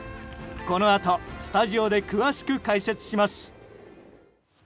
このあと、スタジオで詳しく解説します。